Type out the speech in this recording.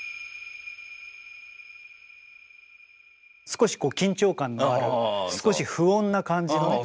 少しこう緊張感のある少し不穏な感じのね。